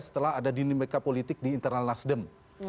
setelah ada dinamika politik di internal nasdem